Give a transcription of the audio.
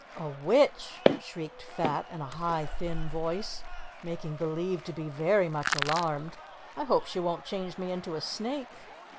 "A witch," shrieked Fat in a high, thin voice, making believe to be very much alarmed. "I hope she won't change me into a snake."